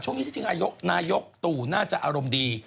ช่วงนี้ที่จริงนายกตู่น่าจะอารมณ์ดี